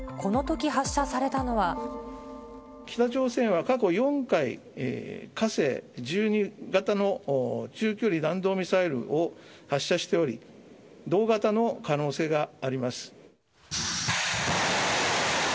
北朝鮮は過去４回、火星１２型の中距離弾道ミサイルを発射しており、同型の可能性があります。